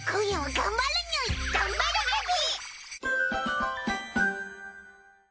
頑張るはぎ！